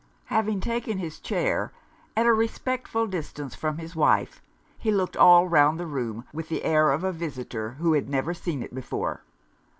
Having taken his chair (at a respectful distance from his wife), he looked all round the room with the air of a visitor who had never seen it before.